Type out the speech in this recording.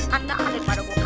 anda ada pada kuat